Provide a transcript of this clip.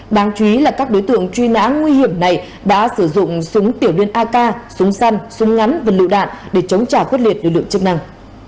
đáng chú ý là các đối tượng truy nã nguy hiểm này đã sử dụng súng tiểu liên ak súng săn súng ngắn và lựu đạn để chống trả quyết liệt lực lượng chức năng